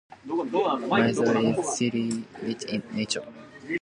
Maizuru is a city rich in nature, located on the scenic Maizuru Bay.